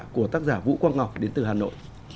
của tác giả vũ quang ngọc đến từ hà nội